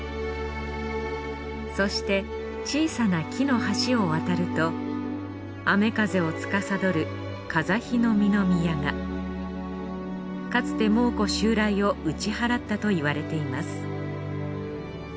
そして小さな木の橋を渡ると雨風をつかさどるかつて蒙古襲来を打ち払ったといわれています。